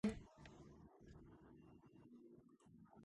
საკუთარი ხარჯებით ქალაქში გახსნა უფასო ბიბლიოთეკა.